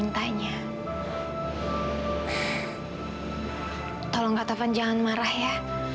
tolong pak tovan jangan marah ya